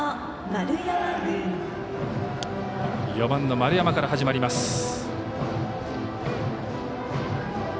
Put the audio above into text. ４番の丸山から始まります。